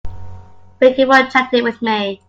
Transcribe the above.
Thanks for chatting with me.